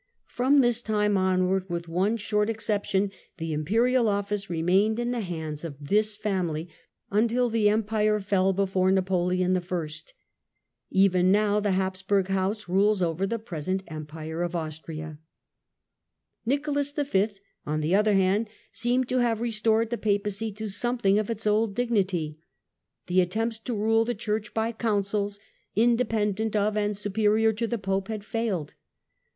From this time onward, with one short ex ception, the Imperial office remained in the hands of this family, until the Empire fell before Napoleon I. Even now the Habsburg house rules over the present Empire of Austria. Nicholas V., on the other hand, seemed to have re Failure of stored the papacy to something of its old dignity. The clna^move attempts to rule the Church by Councils, independent'"®"* of and superior to the Pope, had failed.